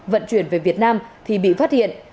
vận chuyển về việt nam thì bị phát hiện